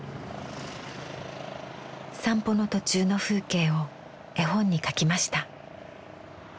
散歩の途中の風景を絵本に描きました。